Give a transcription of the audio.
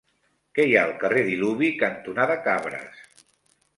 Què hi ha al carrer Diluvi cantonada Cabres?